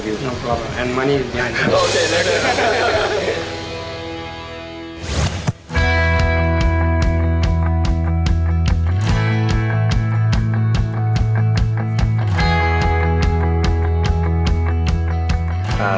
ขอบคุณค่ะ